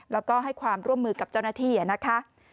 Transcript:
แล้วก็ให้ความร่วมมือกับเจ้าหน้าที่นะคะ